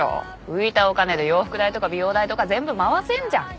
浮いたお金で洋服代とか美容代とか全部回せんじゃん。